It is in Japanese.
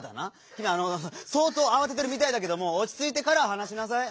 きみそうとうあわててるみたいだけどもおちついてからはなしなさい。